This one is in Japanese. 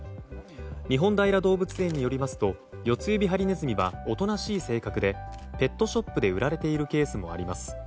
日本平動物園によりますとヨツユビハリネズミはおとなしい性格でペットショップで売られているケースもあります。